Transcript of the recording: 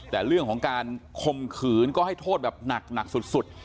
แต่เรื่องของการคมขืนก็ให้โทษแบบหนักสุด